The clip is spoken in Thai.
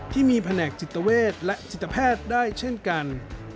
ที่มีแผนกจิตเวทและจิตแพทย์ได้เช่นกัน